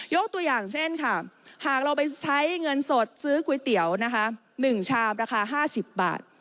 ตัวอย่างเช่นค่ะหากเราไปใช้เงินสดซื้อก๋วยเตี๋ยวนะคะ๑ชามราคา๕๐บาท